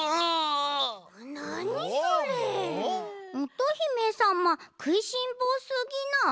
乙姫さまくいしんぼうすぎない？